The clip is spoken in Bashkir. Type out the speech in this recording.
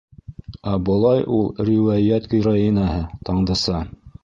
Ә, былай, ул риүәйәт героиняһы - Таңдыса.